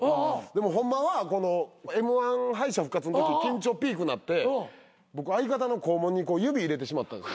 でもホンマはＭ−１敗者復活のとき緊張ピークなって僕相方の肛門に指入れてしまった。